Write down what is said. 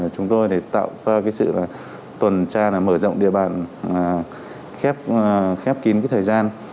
chúng tôi tạo ra sự tuần tra mở rộng địa bàn khép kín thời gian